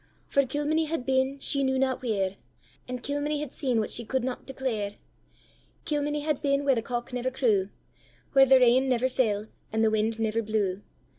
For Kilmeny had been, she knew not where, And Kilmeny had seen what she could not declare; Kilmeny had been where the cock never crew, Where the rain never fell, and the wind never blew.